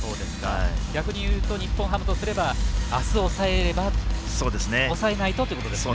逆に言うと日本ハムとしては明日抑えないとということですね。